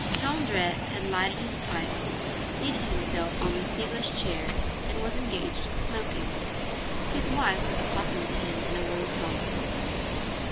Jondrette had lighted his pipe, seated himself on the seatless chair, and was engaged in smoking. His wife was talking to him in a low tone.